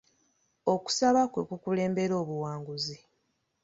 Okusaba kwe kukulembera obuwanguzi.